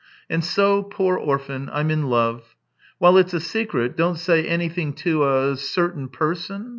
And so, poor orphan, I'm in love. While it's a secret, don't say anything to a ' certain person.'